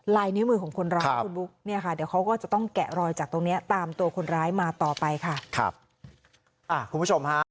นิ้วมือของคนร้ายคุณบุ๊คเนี่ยค่ะเดี๋ยวเขาก็จะต้องแกะรอยจากตรงเนี้ยตามตัวคนร้ายมาต่อไปค่ะครับอ่าคุณผู้ชมฮะ